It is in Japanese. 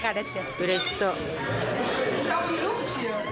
うれしそう。